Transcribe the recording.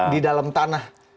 di dalam tanah